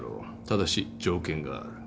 ただし条件がある。